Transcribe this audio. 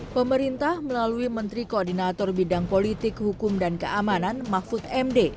pemerintah melalui menteri koordinator bidang politik hukum dan keamanan mahfud md